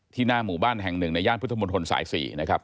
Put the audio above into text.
หน้าหมู่บ้านแห่งหนึ่งในย่านพุทธมนตรสาย๔นะครับ